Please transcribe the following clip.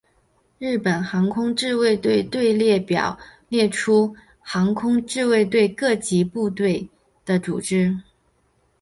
日本航空自卫队队列表列出航空自卫队各级部队的组织。